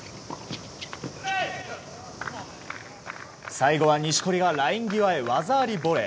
最後は錦織がライン際へ技ありボレー。